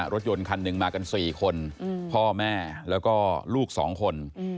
รถยนต์คันหนึ่งมากัน๔คนพ่อแม่แล้วก็ลูก๒คน